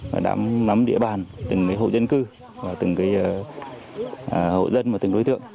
và đã nắm địa bàn từng hộ dân cư và từng hộ dân và từng đối tượng